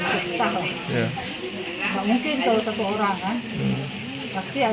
ya lebih umumnya seperti pak menteri perhubungan tadi bilang